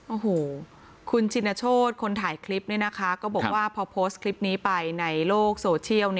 โอ้โหคุณชินโชธคนถ่ายคลิปก็บอกว่าพอโพสต์คลิปนี้ไปในโลกโซเชียล